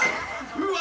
うわ。